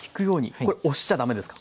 これ押しちゃだめですか？